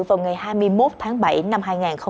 vào ngày hai mươi một tháng bảy năm hai nghìn hai mươi